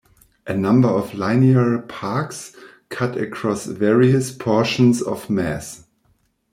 A number of linear parks cut across various portions of Mass.